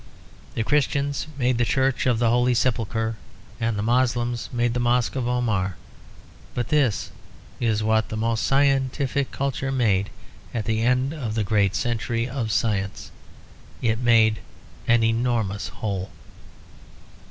The Christians made the Church of the Holy Sepulchre and the Moslems made the Mosque of Omar; but this is what the most scientific culture made at the end of the great century of science. It made an enormous hole.